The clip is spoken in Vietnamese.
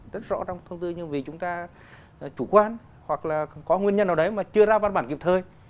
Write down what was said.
rất rõ trong thông tư nhưng vì chúng ta chủ quan hoặc là có nguyên nhân nào đấy mà chưa ra văn bản kịp thời